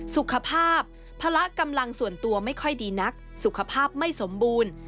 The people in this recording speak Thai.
สุขภาพภาระกำลังส่วนตัวไม่ค่อยดีนักสุขภาพไม่สมบูรณ์